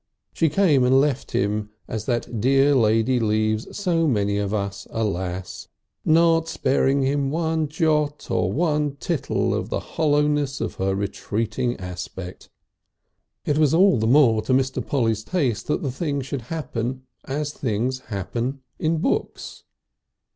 She came and left him as that dear lady leaves so many of us, alas! not sparing him one jot or one tittle of the hollowness of her retreating aspect. It was all the more to Mr. Polly's taste that the thing should happen as things happen in books.